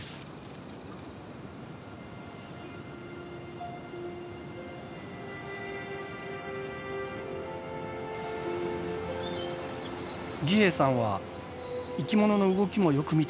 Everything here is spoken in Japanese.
儀兵衛さんは生き物の動きもよく見ています。